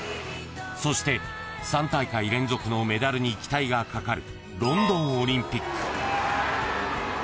［そして３大会連続のメダルに期待がかかるロンドンオリンピック］